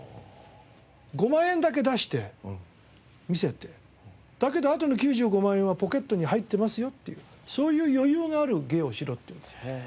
「５万円だけ出して見せてだけどあとの９５万円はポケットに入ってますよっていうそういう余裕のある芸をしろ」って言うんですよ。